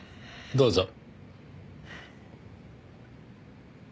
どうぞ。